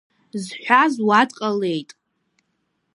Зҳәаз уа дҟалеит.